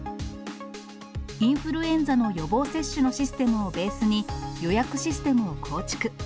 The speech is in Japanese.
インフルエンザの予防接種のシステムをベースに、予約システムを構築。